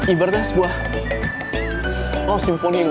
ibaratnya sebuah simfoni